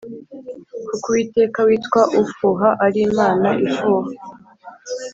Kuko uwiteka witwa ufuha ari imana ifuha